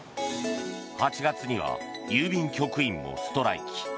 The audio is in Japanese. ８月には郵便局員もストライキ。